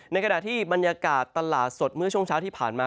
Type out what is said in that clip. ในขณะที่บรรยากาศตลาดสดเมื่อช่วงเช้าที่ผ่านมา